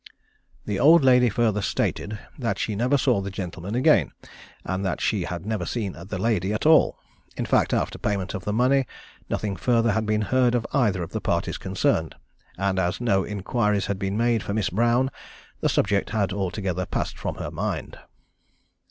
_ The old lady further stated that she never saw the gentleman again, and that she had never seen the lady at all. In fact, after payment of the money, nothing further had been heard of either of the parties concerned; and as no inquiries had been made for Miss Brown, the subject had altogether passed from her mind.